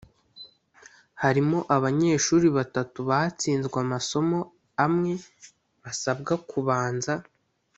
harimo abanyeshuri batatu batsinzwe amasomo amwe basabwa kubanza